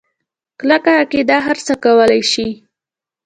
کلکه عقیده هرڅه کولی شي.